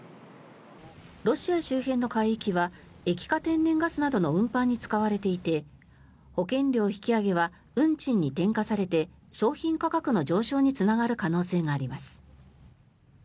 ロシア周辺の海域は液化天然ガスなどの運搬に使われていて保険料引き上げは運賃に転嫁されて商品価格の上昇につながる可能性があります。